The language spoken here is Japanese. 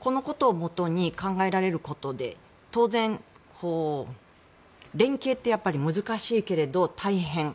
このことをもとに考えられることで当然、連携ってやっぱり難しいけれど大変。